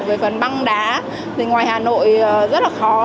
về phần băng đá thì ngoài hà nội rất là khó